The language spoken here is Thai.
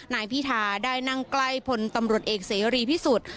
นายพิธาริมเจริญรัฐได้นั่งใกล้ผลตำรวจเอกเสยรีพิสุทธิ์